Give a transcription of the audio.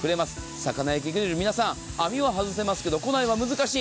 魚焼きグリル皆さん、網は外せますが庫内は難しい。